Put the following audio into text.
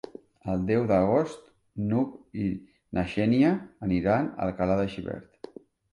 El deu d'agost n'Hug i na Xènia aniran a Alcalà de Xivert.